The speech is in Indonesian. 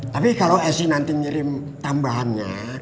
tapi kalau si nanti ngirim tambahannya